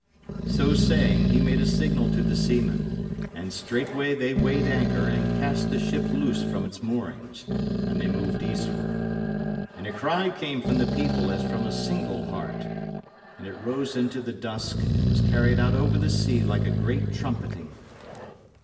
So saying he made a signal to the seamen, and straightway they weighed anchor and cast the ship loose from its moorings, and they moved eastward. And a cry came from the people as from a single heart, and it rose into the dusk and was carried out over the sea like a great trumpeting.